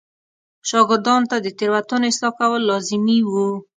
شاګردانو ته د تېروتنو اصلاح کول لازمي و.